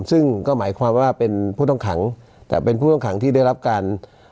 ซึ่งก็หมายความว่าเป็นผู้ต้องขังแต่เป็นผู้ต้องขังที่ได้รับการ